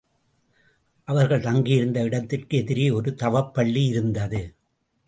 அவர்கள் தங்கியிருந்த இடத்திற்கு எதிரே ஒரு தவப்பள்ளி இருந்தது.